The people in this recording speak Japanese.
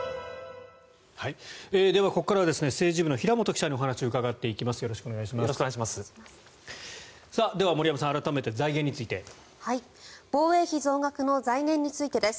ではここからは政治部の平元記者にお話を伺っていきます。